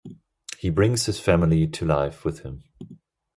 He brings his family to live with him.